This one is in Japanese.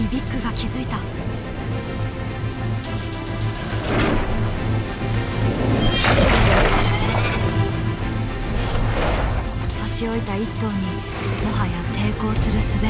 年老いた一頭にもはや抵抗するすべはない。